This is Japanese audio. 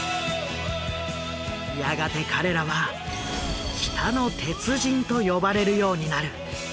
やがて彼らは「北の鉄人」と呼ばれるようになる。